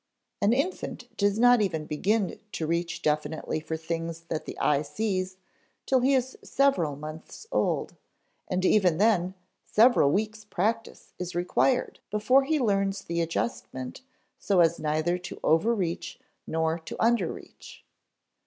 An infant does not even begin to reach definitely for things that the eye sees till he is several months old, and even then several weeks' practice is required before he learns the adjustment so as neither to overreach nor to underreach.